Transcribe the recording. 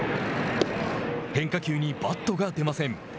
変化球にバットが出ません。